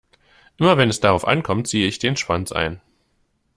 Immer wenn es darauf ankommt, ziehe ich den Schwanz ein.